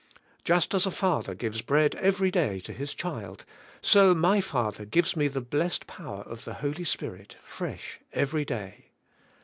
Just as a father gives bread every day to his child, so my Father gives me the blessed power of the Holy Spirit fresh every day.